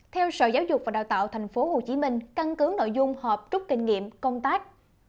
theo sở giáo dục và đào tạo thành phố hồ chí minh căn cứ nội dung họp trúc kinh nghiệm công tác